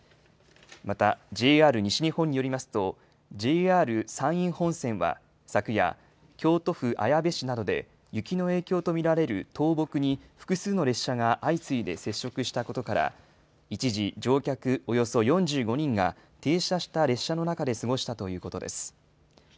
またＪＲ西日本によりますと、ＪＲ山陰本線は昨夜、京都府綾部市などで雪の影響と見られる倒木に複数の列車が相次いで接触したことから、一時乗客およそ４５人が、停車した列車の中で過ごしたということです。